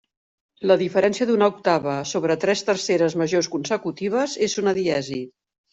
La diferència d'una octava sobre tres terceres majors consecutives, és una diesi.